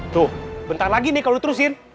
tuh bentar lagi nih kalau diterusin